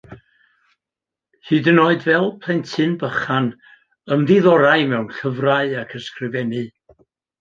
Hyd yn oed fel plentyn bychan ymddiddorai mewn llyfrau ac ysgrifennu.